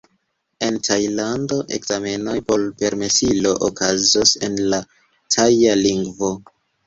En Tajlando, ekzamenoj por permesilo okazos en la Taja lingvo.